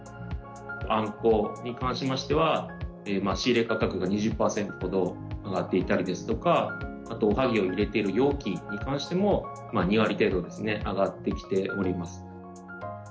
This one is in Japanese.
あんこに関しましては、仕入れ価格が２０％ほど上がっていたりですとか、あと、おはぎを入れてる容器に関しても、２割程度ですね、上がってきております。